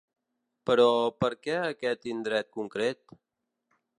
Però per què aquest indret concret?